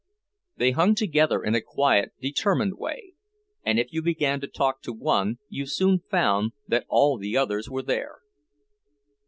They hung together in a quiet, determined way, and if you began to talk to one, you soon found that all the others were there.